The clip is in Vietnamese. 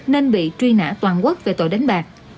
nên bị truy nã toàn quốc về tội đánh bạc